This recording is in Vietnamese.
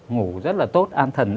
ngủ rất là tốt